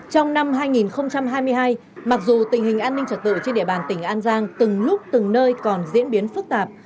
trong năm hai nghìn hai mươi hai mặc dù tình hình an ninh trật tự trên địa bàn tỉnh an giang từng lúc từng nơi còn diễn biến phức tạp